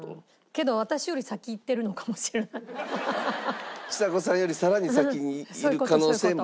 けどちさ子さんよりさらに先にいる可能性も。